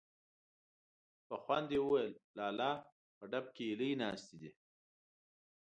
په خوند يې وويل: لالا! په ډب کې هيلۍ ناستې دي.